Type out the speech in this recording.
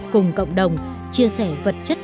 đang chịu đựng khắc nghiệt